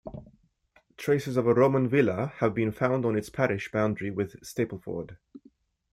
Traces of a Roman villa have been found on its parish boundary with Stapleford.